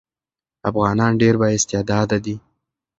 افغانان ډېر با استعداده دي.